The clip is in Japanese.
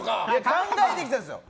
考えてきたんですよ！